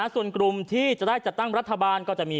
ส่วนกลุ่มที่จะได้จัดตั้งรัฐบาลก็จะมี